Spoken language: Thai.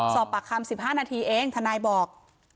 สอบปากคำสิบห้านาทีเองท่านายบอก